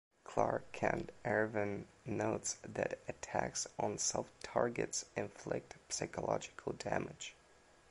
Clark Kent Ervin notes that attacks on soft targets inflict psychological damage.